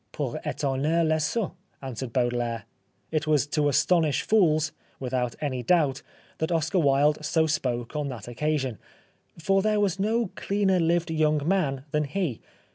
" Pour etonner les sots," answered Baudelaire. " It was to astonish fools," without any doubt, that Oscar Wilde so spoke on that occasion, for there was no cleaner lived young man than he.